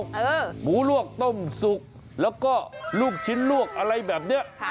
ทางด้านก๋วยเตี๋ยวหมูลวกต้มสุกแล้วก็ลูกชิ้นลวกอะไรแบบนี้